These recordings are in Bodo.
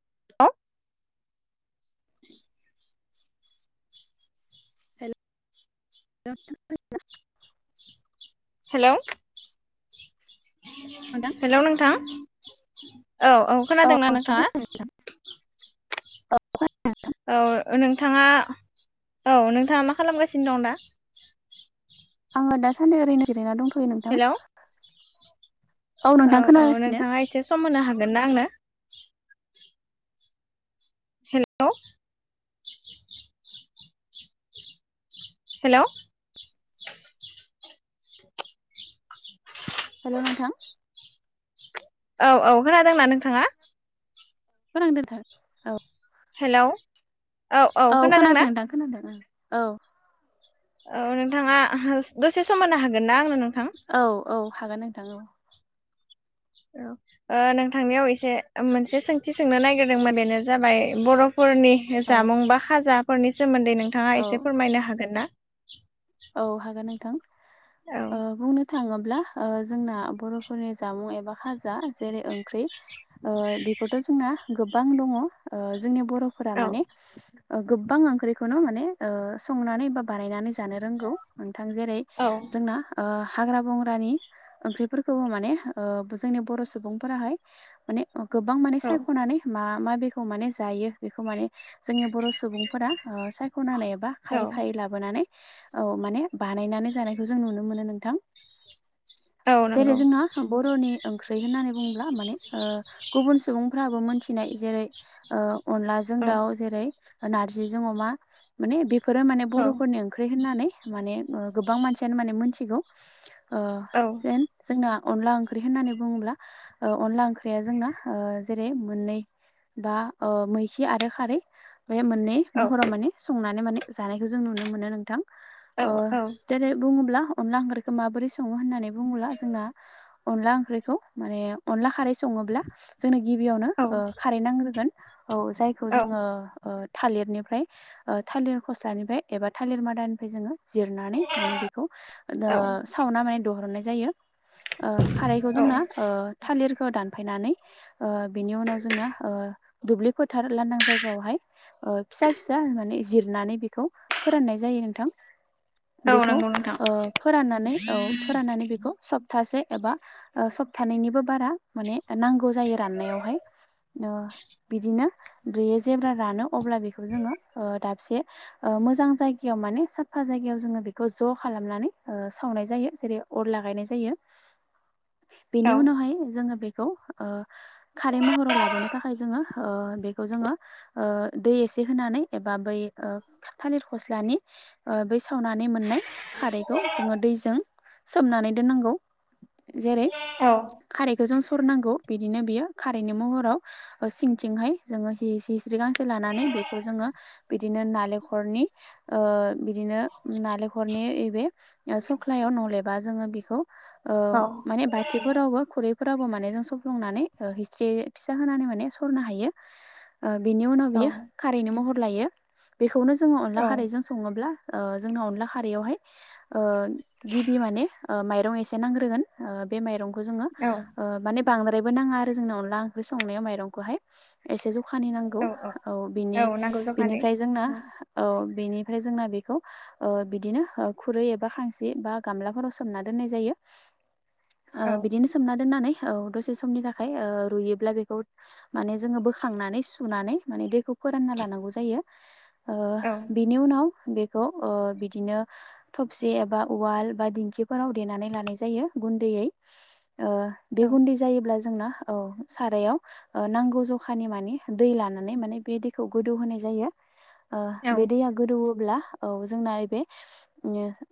[unintelligible] हेल' [unintelligible] हेलौ। नोंथां हेल' नोंथां औ औ खोनादोंना नोंथां नोंथाङा? खोनादों औ नोंथाङा औ नोंथाङा मा खालामगासिनो दं दा? आङो दासान्दि ओरैनो जिरायना दंथ'यो नोंथां। हेलौ औ नोंथां औ खोनागासिनो नोंथाङा एसे सम होनो हागोन ना आंनो? हेल' हेलौ हेलौ' नोंथां औ औ खोनादोंना नोंथाङा फोरां दोनथार औ हेल' औ औ खोनादों ना नोंथां खोनादों औ औ नोंथाङा दसे सम होननो हागोन ना आंनो नोंथां। औ औ हागोन नोंथां औ ओ नों थांनायाव एसे मोनसे सोंथि सोंनो नागिरदोंमोन बेनो जाबाय बर' फोरनि औ जामुं बा खाजाफोरनि सोमोन्दै नोंथाङा औ एसे फोरमायनो हागोन ना? औ हागोन नोंथां औ ओ बुंनो थाङोब्ला ओ जोंना बर'फोरनि जामुं एबा खाजा जेरै ओंख्रि ओ बेफोरथ' जोंना गोबां दङ ओ जोंनि बर'फोरा औ माने गोबां ओंख्रिखौनो माने ओ संनानै बा बानायनानै जानो रोंगौ नोंथां जेरै औ जोंना ओ हाग्रा बंग्रानि ओंख्रिफोरखौबो माने ओ जोंनि बर' सुबुंफोराहाय माने गोबां माने औ सायख'नानै मा मा बेखौ माने जायो बेखौ माने जोंनि बर' सु सुबुंफोरा सायख'नानै एबा खायै खायै लाबोनानै औ माने बानायनानै जानायखौ जों नुनो मोनो नोंथां। औ औ जेरै नंगौ जोंना बर'नि ओंख्रि यै होननानै बुंङोबब्ला माने ओ गुबुन सुबुंफ्राबो मोनथिनाय जेरै ओ अनलाजों औ दाउ जेरै नारजिजों अमा माने बेफोरो माने औ बर'फोरनि ओंख्रि होननानै माने ओ गोबां मानसियानो माने मोनथिगौ ओ औ जेन जोंना अनला ओंख्रि होननानै बुङोब्ला ओ अनला ओंख्रिया जोंना ओ जेरै मोननै बा ओ मैखि आरो खारै बे मोननै औ महराव माने संनानै माने जानायखौ जों नुनो मोनो नोंथां। औ अ जेरै बुङोब्ला अनला ओंख्रिखौ माबोरै सङो होननानै बुङोबला जोंना अनला ओंख्रिखौ माने अनला खारै स ङोब्ला जोंनो औ ओ खारै नागोरोगोन औ जायखौ औ जोङो ओ थालिरनिफ्राय ओ थालिर फस्लानिफ्राय एबा थालिर मादानिफ्राय जोङो जिरनानै माने बेखौ ओ औ सावना माने दिहरनाय जायो। ओ खारैखौ जोंना ओ थालिर खो दानफायनानै ओ बिनि उनाव जोङो ओ दुब्लि फोथार लांदां जायगायावहाय ओ फिसा फिसा माने जिरनानै बेखौ फोराननाय जायो नोंथां। औ बेखौ नंगौ नोंथां ओ फोराननानै औ फोराननानै बेखौ सब तासे एबा ओ सप्तानैनिबो बारा माने नांगौ जायो राननायावहाय ओ बिदिनो बैयो जेब्ला रानो अब्ला बेखौ जोङो ओ दाबसे ओ मोजां जायगायाव माने स फा जायगायाव जोङो बेखौ ज' खालामनानै ओ सावनाय जायो जेरै अर ला गायनाय जायो। [inaudible] बेनि उनावहाय जोङो बेखौ ओ खारै महराव लाबोनो थाखाय जोङो ओ बेखौ जोङो ओ दै एसे होनानै एबा बै ओ थालिर फस्लानि ओ बै सावनानै मोननाय खारैखौ जोङो दैजों सोमनानै दोननांगौ जेरै औ खारैखौ जों सं रनांगौ बिदिनो बियो खारैनि महाराव ओ सिथिजाय जों नों जि गांसे लानानै बेखौ जोङो बिदिनो नालेंखरनि ओ बिदिनो नालेंखरनि बेबे सख्लायाव नंलेबा जोङो बेखौ ओ औ माने बाथिफोरावबो खुरै [unintelligible] माने जों सबफ्लंनानै ओ हिस्रि फिसा होनानै माने ओ। बिनि उनाव औ बियो खारैनि महर लायो। बेखौनो जों अनला औ खारैजों सङोब्ला ओ जोंना अनला खारयावहाय गिबि माने ओ माइरं एसे नांग्रोगोन। ओ बे माइरंखौ जोङो औ ़ माने बांद्रायबो नाङा आरो जोंनो अनला ओंख्रि संनायाव माइरंखौहाय एसे [unintelligible] [unintelligible] नांगौ औ बिनि- नांगौ जखानि बिनिफाय जोंना औ औ बिनिफ्राय जोंना बेखौ ओ बिदिनो खुरै एबा खांसि बा गामलाफोराव सोमना दोननाय जायो। ओ औ बिदिनो सोमना दोननानै औ दसे समनि थाखाय ओ रुयोब्ला, बेखौ माने जोङो बोखांनानै सुनानै माने दैखौ फोरानना लानांगौ जायो। ओ औ बेनि उनाव बे [unintelligible] ओ बिदिनो थबसि एबा उवाल बा दिंखिफोराव देनानै लानाय जायो। [unintelligible] ओ बे औ गुन्दै जायोब्ला [unintelligible] औ सारायाव ओ नांगौ जखानि मानि दै लानानै, माने बे दैखौ माने गोदौ होनाय [unintelligible] बे दैया गोदौब्ला औ जोंना ओइबे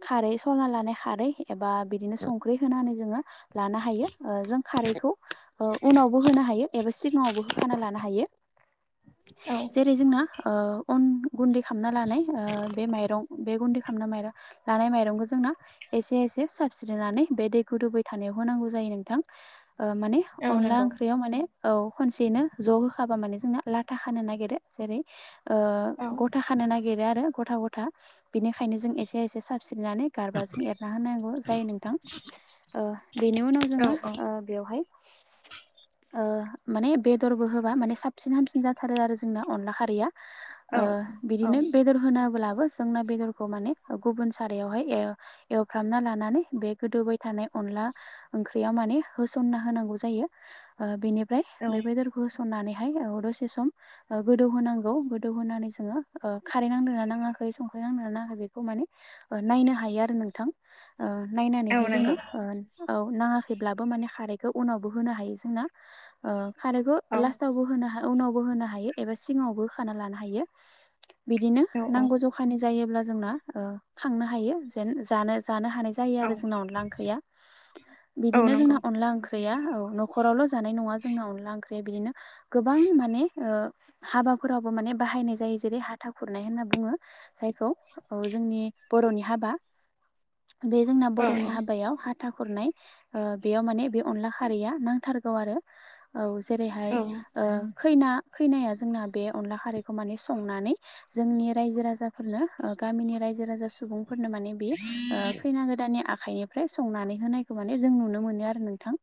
खारै सरना लानाय खारै एबा बिदिनो संख्रि होनानै जोङो लानो हायो। ओ जों खारैखौ ओ उनावबो होनो हायो एबा सिगाङावबो होखाना लानो हायो। औ जेरै जोंना ओ अन गुन्दै खालामाना लानाय ओ दं बे गुन्दै खालाम माइ लानाय माइरंखौ जोंना एसे एसे साबस्रिनानै बे दै गोदौ [unintelligible] थानायाव होनांगौ जायो नोंथां माने औ अनला नंगौ ओंख्रियाव माने औ खनसेयैनो ज' होखाबा माने जोंना लाथा खानो नागिरो जेरै ओ औ गथा खानो नागिरो आरो गथा -गथा बिनिखायनो जों एसे -एसे [unintelligible] [unintelligible] गारबाजों एरना होनांगौ जायो नोंथां ओ बेनि उनाव औ औ जोङो ओ बेवहाय ओ माने बेदरबो होबा माने साबसिन हामसिन [unintelligible] थारो आरो जोंना अनला खरिआ। औ ओ औ बिदिनो बेदर होना होब्ला जोंना बेदरखौ माने गुबुन सारायावहाय एव-एवफ्रामना लानानै बे गोदौबाय थानाय [unintelligible] [unintelligible] ओंख्रिया माने होसोना होनांगौ जायो ओ बिनिफ्राय बे बेदर होसनानैहाय औ दसे सम गोदौ होनांगौ गोदौ होनानै जोङो ओ खारै नांदोंना नाङा ओंखै संख्रि नांङाखै बेखौ माने नायनो हायो आरो नोंथां। ओ औ नायनानैहाय जोङो नंगौ औ ओ औ नाङाखैब्लाबो माने खारैखौ उनावबो होनो हायो जोंना ओ खारैखौ लास्टावबो होनो ह- उनावबो होनो हायो एबा सिङावबो होखाना लानो हायो। बिदिनो औ नांगौ जखानि जायोब्ला जोंना ओ खांनो हायो जेन जानो जानो हानाय जायो औ आरो जोंना अनला ओंख्रिआ औ बिदिनो नंगौ जोना अनला ओंख्रिआ गैया औ नखरआवल' जानाय नङा जोंना, अनला ओंख्रिया बिदिनो गोबां माने ओ हाबा फोरावबो माने बाहायनाय जायो जेरै हाथा खुरनाय होनना बुङो। जायखौ अ जोंनि बर'नि हाबा। बे जोंना औ बर'नि औ हाबायाव [unintelligible] [unintelligible] खुरनाय ओ बेयाव माने बे अनला खारैया नांथारगौ आरो औ। जेरैहाय ओ खैना-खैनाया जोंना बे अनला खारैखौ माने संनानै जोंनि रायजो -राजा [unintelligible] गामिनि रायजो- राजा सुबुंफोरनो माने बे ओ खैना गोदान आखाइनिफ्राय संनानै होनायखौ माने जों नुनो मोनो आरो नोंथां।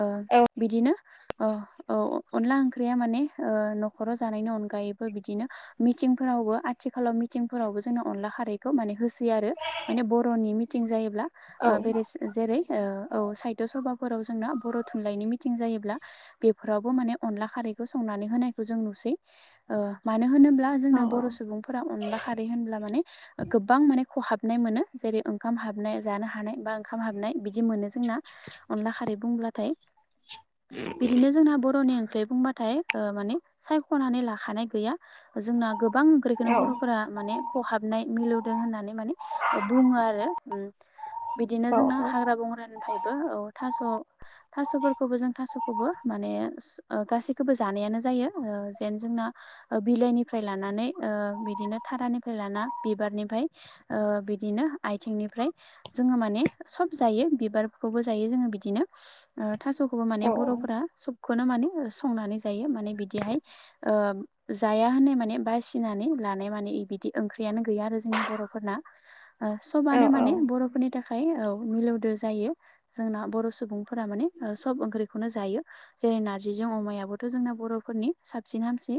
ओ औ बिदिनो औ औ अनला ओंख्रिया माने ओ न'खराव जानायनि अनगायैबो बिदिनो मिथिं [unintelligible] आथिखालाव मिथिंफोरावबो जोंनो अनला खारैखौ माने [unintelligible] [unintelligible] आरो माने बर'नि मिथिं जायोब्ला औ जेरै औ साइथ' सबा [unintelligible] जोंना बर' थुनलाइनि मिथिं जायोब्ला बेफोरावबो माने अनला खारैखौ संनानै होनायखौ जों [unintelligible] मोनसै मानो होनोब्ला जोंना बर' सुबुं अनला खारै होनब्ला माने गोबां माने खहाबनाय मोनो। जेरै ओंखाम हाबनाय जानो हानाय बा ओंखाम हाबनाय बिदि मोनो। जोंना अला खारै बुंब्लाथाय बिदिनो जोंना बर'नि ओंख्रि बुंबाथाय ओ माने सायख'नानै लाखानाय गैया जोंना गोबां बेखौनो बर'फोरा माने खहाबनाय मिलौदों होननानै माने बुङो आरो उम औ बिदिनो जोंना हाग्रा बंग्रानिफ्रायबो औ थास' थास'फोरखौबो जों थास'खौबो माने ओ गासैखौबो जानायानो जायो ओ जेन जोंना बिलाइनिफ्राय लानानै ओ बिदिनो थारानिफ्राय लाना बिबारनिफ्राय ओ बिदिनो आथिंनिफ्राय जोङो माने सब जायो बिबारखौबो जायो जोङो बिदिनो ओ थास'खौबो माने बर'फोरा सब खौनो माने संनानै जायो माने बिदिहाय ओ जाया होननाय माने बास फिनानै लानाय माने बिदि ओंख्रियानो गैया आरो जोंनि बर'फोरना ओ सबानो माने बर'फोरनि थाखाय औ मिलौदो जायो जोंना बर' सुबुंफोरा माने ओ सब ओंख्रिखौनो जायो जेरै नारजिजों अमायाबोथ' जोंना बर'फोरनि साबसिन हामसिन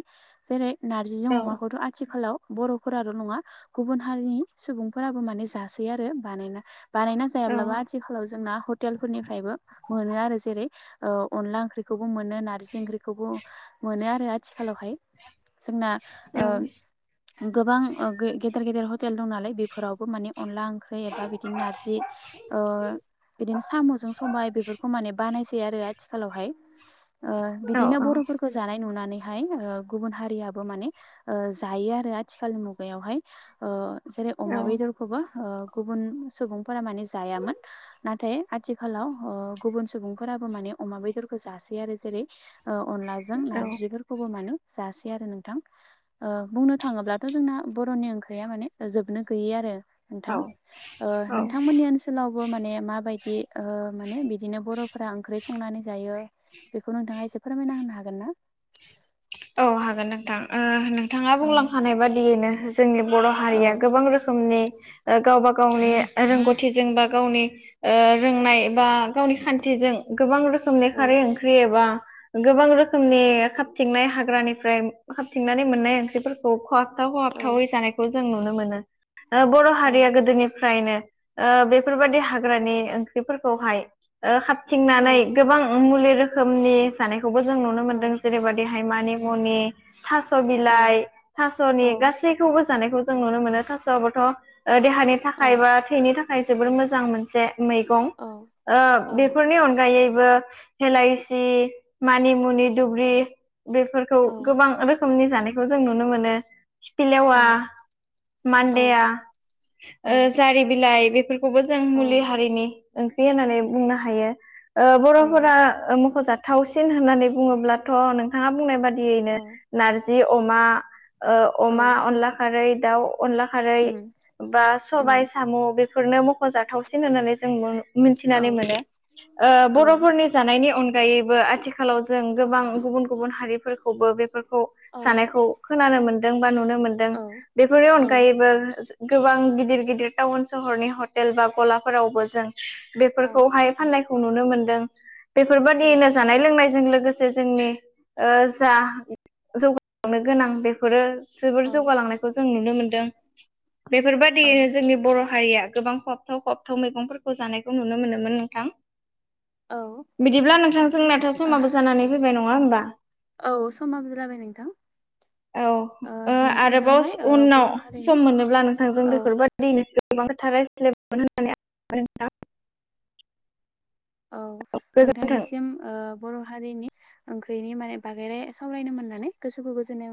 जेरै नारजिजों अमा आथिखालाव बर'फोराल' नङा गुबुन हारिनि सुबुंफोराबो माने जासै आरो बानायना बानायना जायाब्लाबो आथिखालाव जोंना हटेल फोरनिफ्रायबो मोनो आरो जेरै ओ अनला ओंख्रिखौ मोनो नारजि ओंख्रिखौबो मोनो आरो आथिखालावहाय जोंना ओ गोबां गेदेर गेदेर हटेल दं नालाय बेफोरावबो माने अनला ओंख्रि एबा बिदि नारजि ओ बिदिनो सामजों सबाय बेफोरखौ बानाय यो आरो आथिखालावहाय ओ औ बिदिनो औ बर'फोरखौ जानाय नुनानै ओ गुबुन हारियाबो माने ओ जायो आरो आथिखालनि मुगायावहाय ओ जेरै औ अमा बेदर खौबो ओ गुबुन सुबुंफोरा माने जायामोन नाथाय आथिखालाव ओ गुबुन सुबुंफोराबो माने अमा बेदरखौ जासै आरो जेरै ओ अनलाजों नारजिफोरखौबो मानो जासै आरो नोंथां ओ बुंनो थाङोब्लाथ' जोंना बर'नि ओंख्रिया माने जोबनो गैयै आरो औ नोंथां ओ औ नोंथांमोननि ओनसोलाव आवबो माने माबायदि ओ माने बिदिनो बर'फोरा ओंख्रि संनानै जायो बेखौ नोंथाङा एसे फोरमायना होनो हागोन ना औ हागोन नोंथां ओ नोंथाङा ओ बुंलांखानाय बादियैनो जोंनि बर' औ हारिया गोबां रोखोमनि गावबा गावनि रोंगौथिजों बा गावनि ओ रोंनाय बा गावनि खान्थिजों गोबां रोखोमनि औ खारै ओंख्रि एबा गोबां रोखोमनि हाबथिंनाय हाग्रानिफ्राय हाबथिंनानै मोननाय ओंख्रिफोरखौ खहाबथाव औ खहाबथावै जानायखौ जों नुनो मोनो बर' औ हारिया गोदोनिफ्रायनो ओ बेफोरबायदि हाग्रानि ओंख्रिफोरखौहाय ओ हाब औ थिंनानै गोबां मुलि रोखोमनि जानायखौबो जों नुनो औ मोनदों जेरैबायदि हाइ माने मुनि थास' औ बिलाइ थ'नि औ गासैखौबो जानायखौ जों नुनो मोनो थास'आबोथ ओ' देहानि औ थाखाय औ बा थैनि थाखाय जोबोर मोजां मोनसे मैगं ओ औ बेफोरनि अनगायै बो हेलायसि मानि मुनि दुब्रि बे खौ गोबां रोखोमनि जानायखौ जों नुनो मोनो औ खिफिलेवा औ मान्देया ओ जारि बिलाइ बे बेखौबो जों मुलि औ हारिनि ओंख्रि होननानै बुंनो हायो ओ औ बर'फोरा ओ मख'जाथावसिन होननानै बुङोब्लाथ' नोंथाङा बुंनाय बादि यैनो नारजि अमा, ओ अमा, औ अनला खारै दाउ, अनला खारै उम बा सबाय उम साम' बेफोरनो मख'जाथावसिन होननानै जों औ मिथिनानै मोनो। ओ औ बर'फोरनि जानायनि अनगायैबो आथिखा आथिखालाव जों गोबां गुबुन-गुबुन हारिफोरखौबो बेफोरखौ औ जानायखौ खोनानो मोन दों बा नुनो मोनदों औ बेफोरनि औ अनगायैबो गोबां गिदिर गिदिर टाउन सहरनि हटेल बा गलाफोरावबो जों बेफोरखौहाय फाननायखौ नुनो मोनदों बेफोरबायदियनो जानाय लोंनायजों लोगो लोगोसे जोंनि ओ जा जौगालांनो गोनां बेफोरो जोबोर जौगालांनायखौ जों नुनो मोनदों। औ बेफोरबादियैनो जोंनि बर' हारिया गोबां खहाबथाव खहाबथाव मैगंफोरखौ जानायखौ नुनो मोनोमोन नोंथां औ बिदिब्ला नोंथां जोंनाथ' औ समाबो जानानै फैबाय नङा होमबा औ समा [unintelligible] जाबाय नोंथां औ ओ आरोबाव नोंथांजोंहाय ओ उनाव बर' हारिनि सम मोनोब्ला नोंथांजों औ बेफोरबादिनो गोबां खोथा रायज्लाय [unintelligible] होननानै औ गोजोन्थों नोंथांनिसिम ओ बर' हारिनि ओंख्रिनि माने बागेरे सावरायनो मोननानै गोसो गोजोननाय मोन